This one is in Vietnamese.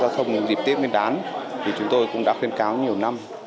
trong dịp tết miên đán thì chúng tôi cũng đã khuyến cáo nhiều năm